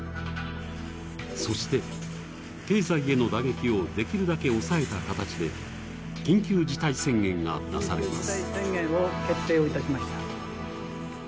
そして、経済への打撃をできるだけ抑えた形で緊急事態宣言が出されます。